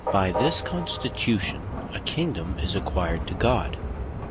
By this constitution, a Kingdome is acquired to God.